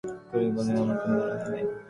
করিম বললেন, আমার কোনো ধারণা নেই।